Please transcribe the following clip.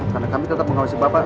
karena kami tetap mengawasi bapak